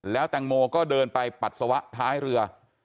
แล้วแตงโมก็เดินไปปัสสาวะท้ายเรือ